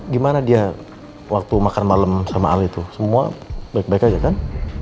gimana dia waktu makan malam sama al itu semua baik baik aja kan